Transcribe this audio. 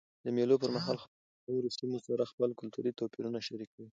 د مېلو پر مهال خلک له نورو سیمو سره خپل کلتوري توپیرونه شریکوي.